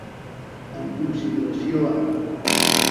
En consideració a.